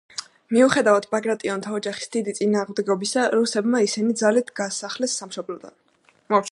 მიუხედავად ბაგრატიონთა ოჯახის დიდი წინააღმდეგობისა, რუსებმა ისინი ძალით გაასახლეს სამშობლოდან.